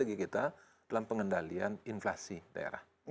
saya juga ingin mengucapkan karena saya juga suka mengucapkan